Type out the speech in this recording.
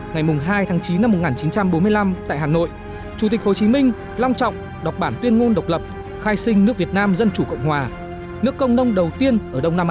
ngày hai tháng chín năm một nghìn chín trăm bốn mươi năm tại hà nội chủ tịch hồ chí minh long trọng đọc bản tuyên ngôn độc lập khai sinh nước việt nam dân chủ cộng hòa nước công nông đầu tiên ở đông nam á